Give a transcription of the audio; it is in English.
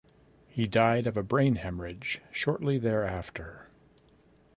He died of a brain haemorrhage shortly thereafter.